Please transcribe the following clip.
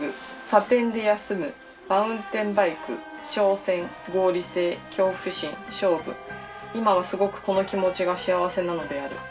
「茶店で休む」「マウンテンバイク」「挑戦」「合理性」「恐怖心」「勝負」「今はすごくこの気持ちが幸せなのである」